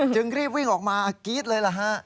จึงรีบวิ่งออกมากรี๊ดเลยล่ะฮะ